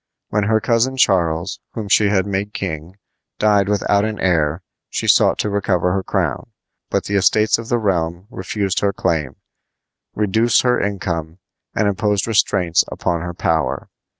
When her cousin Charles, whom she had made king, died without an heir she sought to recover her crown; but the estates of the realm refused her claim, reduced her income, and imposed restraints upon her power.